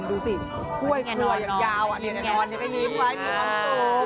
ดูสิกล้วยกลัวยอย่างยาวอ่ะมีความสุข